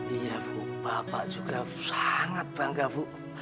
iya bu bapak juga sangat bangga bu